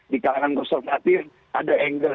di kalangan konservatif ada angle